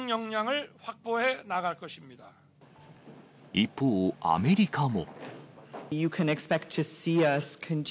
一方、アメリカも。